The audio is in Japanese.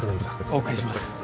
お送りします